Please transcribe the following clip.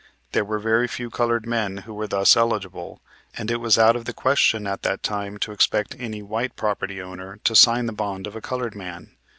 There were very few colored men who were thus eligible, and it was out of the question at that time to expect any white property owner to sign the bond of a colored man.